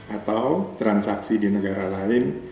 atau transaksi di negara lain